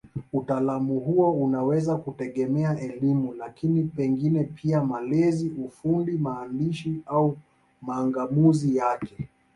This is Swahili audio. Utaalamu huo unaweza kutegemea elimu, lakini pengine pia malezi, ufundi, maandishi au mang'amuzi yake.